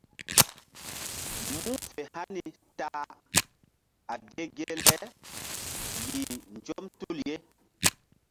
Mu̧h fe hani ta ge le yih nzɔm tul ye.